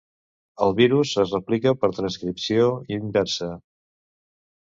El virus es replica por transcripció inversa.